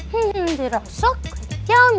hmm di rusuk kue kiaumi